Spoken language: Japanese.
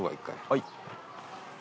はい。